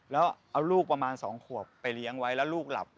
แล้วเอาลูกประมาณ๒ขวบไปเลี้ยงไว้แล้วลูกหลับ